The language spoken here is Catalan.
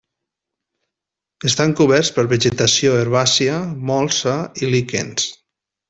Estan coberts per vegetació herbàcia, molsa i líquens.